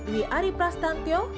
wi ari prastantyo